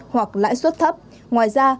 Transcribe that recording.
hoặc lãi suất thấp ngoài ra